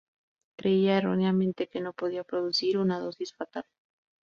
Creía erróneamente, que no podía producir una dosis fatal.